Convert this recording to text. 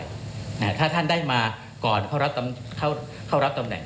แต่ถ้าท่านได้มาก่อนเข้ารับตำแหน่ง